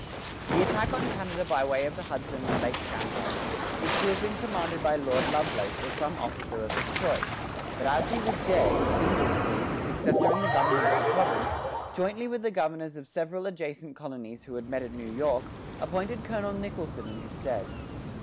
The attack on Canada by way of the Hudson and Lake Champlain was to have been commanded by Lord Lovelace or some officer of his choice; but as he was dead, Ingoldsby, his successor in the government of the province, jointly with the governors of several adjacent colonies who had met at New York, appointed Colonel Nicholson in his stead.